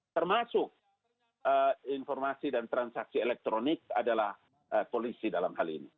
termasuk informasi dan transaksi elektronik adalah polisi dalam hal ini